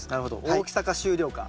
大きさか収量か。